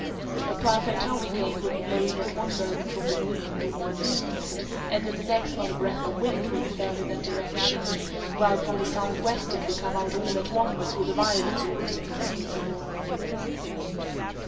A perfect hurricane will be blowing at one moment from the northward or northeast, and in the next not a breath of wind will be felt in that direction, while from the southwest it will come out all at once with a violence almost inconceivable.